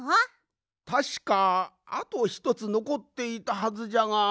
たしかあとひとつのこっていたはずじゃが。